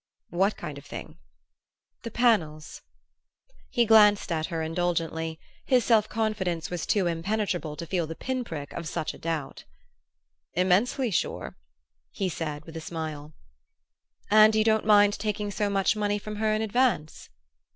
"What kind of thing?" "The panels." He glanced at her indulgently: his self confidence was too impenetrable to feel the pin prick of such a doubt. "Immensely sure," he said with a smile. "And you don't mind taking so much money from her in advance?"